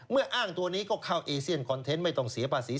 อ้างตัวนี้ก็เข้าเอเซียนคอนเทนต์ไม่ต้องเสียภาษี